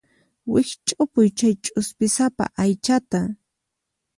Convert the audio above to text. Wikch'upuy chay ch'uspisapa aychata.